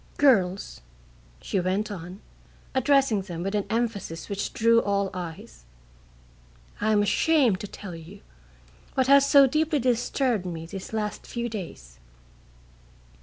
"Girls," she went on, addressing them with an emphasis which drew all eyes, "I am ashamed to tell you what has so deeply disturbed me these last few days.